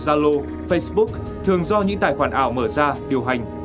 zalo facebook thường do những tài khoản ảo mở ra điều hành